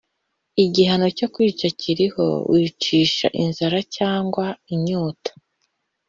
igihano cyo kwica kiriho wicisha inzara cyangwa inyota